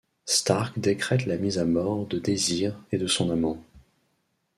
Stark décrète la mise à mort de Désir et de son amant.